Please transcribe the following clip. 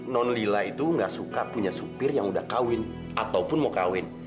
non lila itu gak suka punya supir yang udah kawin ataupun mau kawin